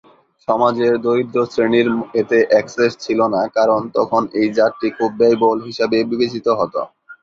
সমাজের দরিদ্র শ্রেণীর এতে অ্যাক্সেস ছিল না কারণ তখন এই জাতটি খুব ব্যয়বহুল হিসাবে বিবেচিত হত।